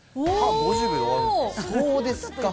そうですか。